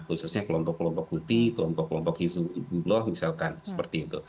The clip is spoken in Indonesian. khususnya kelompok kelompok putih kelompok kelompok isu buloh misalkan seperti itu